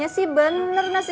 awak sudah selesai